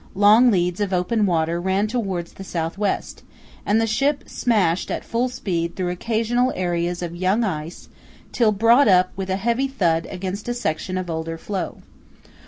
Long leads of open water ran towards the south west, and the ship smashed at full speed through occasional areas of young ice till brought up with a heavy thud against a section of older floe.